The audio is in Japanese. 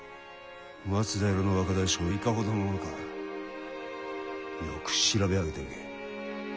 松平の若大将いかほどの者かよく調べ上げておけ。